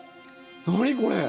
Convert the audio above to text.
何これ！